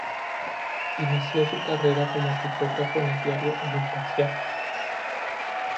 Inició su carrera como tipógrafo en el diario El Imparcial.